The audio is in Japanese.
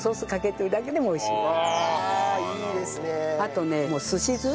あとねすし酢。